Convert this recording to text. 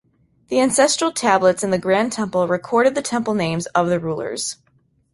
The ancestral tablets in the grand temple recorded the temple names of the rulers.